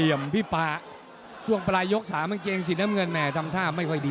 อย่าหยุดนะอย่าหยุด